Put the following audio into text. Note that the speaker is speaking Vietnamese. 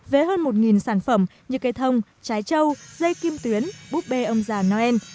với hơn một sản phẩm như cây thông trái châu dây kim tuyến búp bê ông già noel